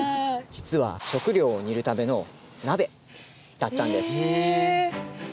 実は食料を煮るための鍋だったんです。え！？